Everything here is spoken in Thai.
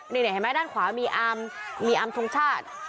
นี่เห็นไหมด้านขวามีอามมีอามทรงชาติ